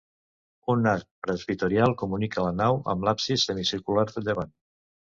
Un arc presbiteral comunica la nau amb l'absis semicircular de llevant.